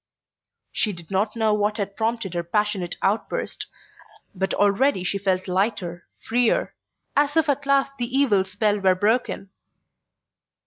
She did not know what had prompted her passionate outburst, but already she felt lighter, freer, as if at last the evil spell were broken.